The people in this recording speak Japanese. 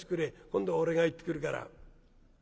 今度は俺が行ってくるから。